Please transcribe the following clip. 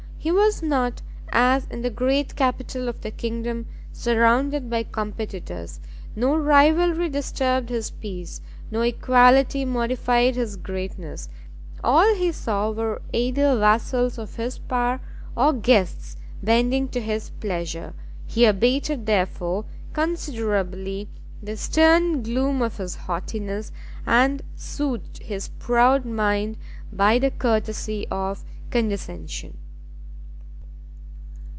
He was not, as in the great capital of the kingdom, surrounded by competitors; no rivalry disturbed his peace, no equality mortified his greatness; all he saw were either vassals of his power, or guests bending to his pleasure; he abated therefore, considerably, the stern gloom of his haughtiness, and soothed his proud mind by the courtesy of condescension.